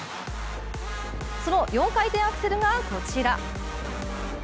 その４回転アクセルがこちら。